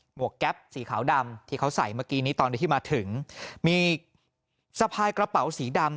วกแก๊ปสีขาวดำที่เขาใส่เมื่อกี้นี้ตอนที่มาถึงมีสะพายกระเป๋าสีดำ